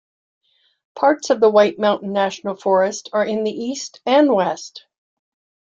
Parts of the White Mountain National Forest are in the east and west.